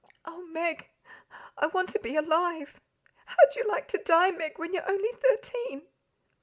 "Oh, Meg, I want to be alive! How'd you like to die, Meg, when you're only thirteen?